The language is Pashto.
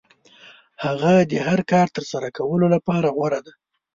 هغه د هر کار ترسره کولو لپاره غوره دی.